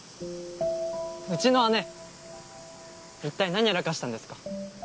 うちの姉一体何やらかしたんですか？